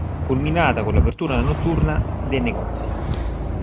Culminata con l'apertura notturna dei negozi.